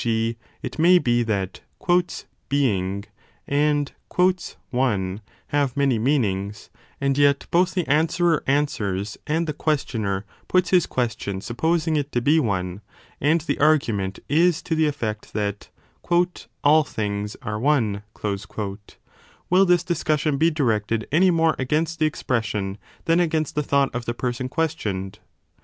g. it may be that Being and One have many meanings, and yet both the answerer answers and the questioner 1 puts his question supposing it to be one, and the argu ment is to the effect that All things are one will this discussion be directed any more against the expression than against the thought of the person questioned